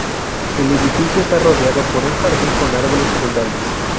El edificio está rodeado por un jardín con árboles frutales.